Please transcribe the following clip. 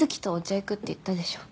行くって言ったでしょ